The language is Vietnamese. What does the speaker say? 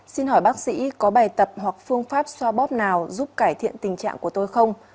xin hỏi bác sĩ có bài tập hoặc phương pháp xoa bóp nào giúp cải thiện tình trạng của tôi không